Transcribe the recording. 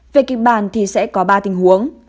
về kịch bản thì sẽ có ba tình huống